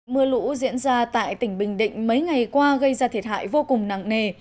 mưa lũ diễn ra tại tỉnh bình định mấy ngày qua gây ra thiệt hại vô cùng nặng nề